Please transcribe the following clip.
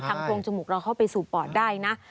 โครงจมูกเราเข้าไปสู่ปอดได้นะ